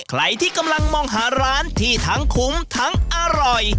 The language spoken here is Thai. ใครที่กำลังมองหาร้านที่ทั้งคุ้มทั้งอร่อย